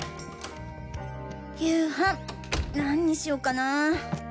夕飯何にしようかなぁ。